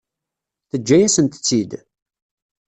Teǧǧa-yasent-tt-id?